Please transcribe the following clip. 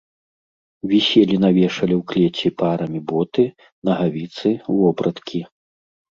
Віселі на вешале ў клеці парамі боты, нагавіцы, вопраткі.